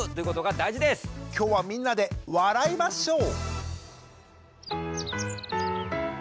今日はみんなで笑いましょう！